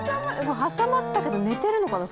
挟まったけど寝てるのかな？